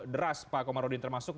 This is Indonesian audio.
deras pak komarudin termasuk